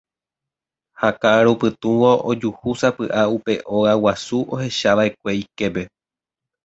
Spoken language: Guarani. Ha ka'arupytũvo ojuhúsapy'a upe óga guasu ohechava'ekue iképe.